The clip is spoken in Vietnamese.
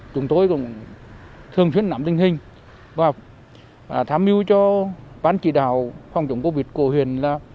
chúng tôi cũng thường xuyên nắm tình hình và tham mưu cho ban chỉ đạo phòng chống covid của huyện là